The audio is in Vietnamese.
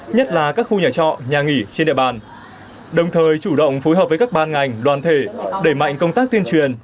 nhất là các khu nhà trọ nhà nghỉ trên địa bàn đồng thời chủ động phối hợp với các ban ngành đoàn thể đẩy mạnh công tác tuyên truyền